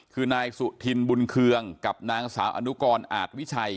คือนายสุธินบุญเคืองกับนางสาวอนุกรอาจวิชัย